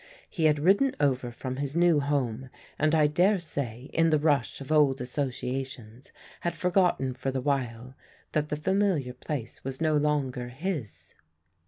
He had ridden over from his new home, and I daresay in the rush of old associations had forgotten for the while that the familiar place was no longer his.